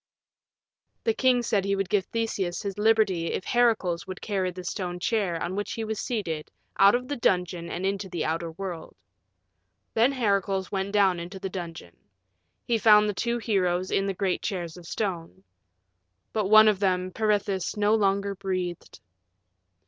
The king said he would give Theseus his liberty if Heracles would carry the stone chair on which he was seated out of the dungeon and into the outer world. Then Heracles went down into the dungeon. He found the two heroes in the great chairs of stone. But one of them, Peirithous, no longer breathed.